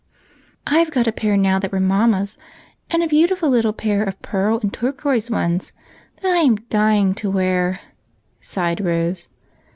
"I've got a pair now that were mamma's, and a beautiful little pair of pearl and turquoise ones, that I am dying to wear," sighed Rose.